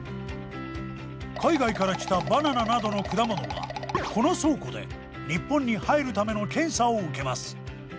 海外から来たバナナなどの果物はこの倉庫で日本に入るための検査を受けます。